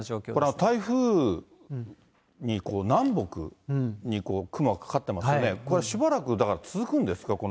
これは台風に、南北に雲がかかってますよね、これはしばらく、だから続くんですか？